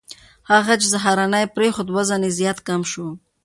هغه ښځې چې سهارنۍ پرېښوده، وزن یې زیات کم شو.